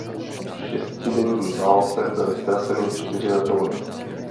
V šestidenní válce byly ztraceny čtyři letouny.